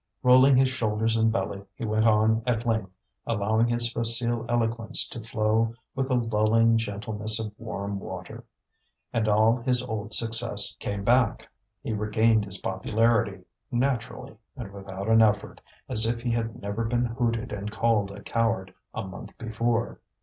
Rolling his shoulders and belly, he went on at length, allowing his facile eloquence to flow with the lulling gentleness of warm water. And all his old success came back; he regained his popularity, naturally and without an effort, as if he had never been hooted and called a coward a month before.